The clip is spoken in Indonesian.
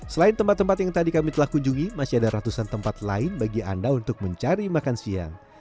selain tempat tempat yang tadi kami telah kunjungi masih ada ratusan tempat lain bagi anda untuk mencari makan siang